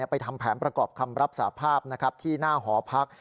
ทำแผนประกอบคำรับสาภาพที่หน้าหอพัก